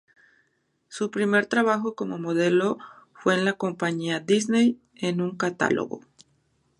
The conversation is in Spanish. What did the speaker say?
Su primer trabajo como modelo fue en la compañía Disney en un catálogo.